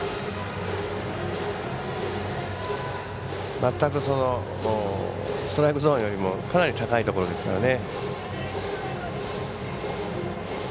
全くストライクゾーンよりもかなり高いところですからね。